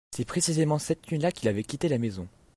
c'est précisément cette nuit-là qu'il avait quitté la maison.